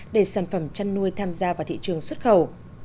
để sản phẩm chăn nuôi tham gia vào thị trường xuất khẩu